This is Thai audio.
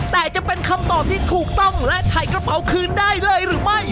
แต่จะเป็นคำตอบที่ถูกต้องและถ่ายกระเป๋าคืนได้เลยหรือไม่